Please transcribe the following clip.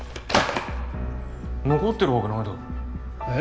残ってるわけないだろう。え？